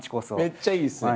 めっちゃいいですね。